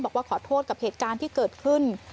บอกว่าขอโทษกับเหตุการณ์ที่เกิดขึ้น